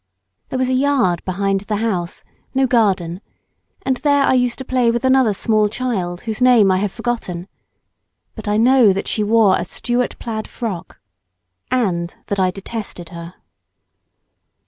There was a yard behind the house—no garden and there I used to play with another small child whose name I have forgotten. But 1 know that she wore a Stuart plaid frock, and that I detested her.